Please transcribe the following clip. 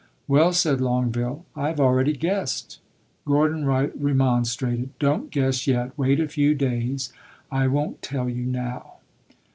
"Well," said Longueville, "I have already guessed." Gordon Wright remonstrated. "Don't guess yet wait a few days. I won't tell you now."